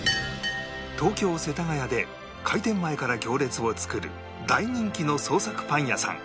東京世田谷で開店前から行列を作る大人気の創作パン屋さん